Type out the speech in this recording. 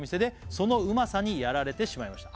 「そのうまさにやられてしまいました」